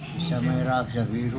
bisa merah bisa biru